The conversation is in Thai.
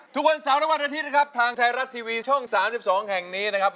ทุกวันเสาร์และวันอาทิตย์นะครับทางไทยรัฐทีวีช่อง๓๒แห่งนี้นะครับ